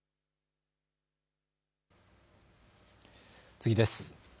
次です。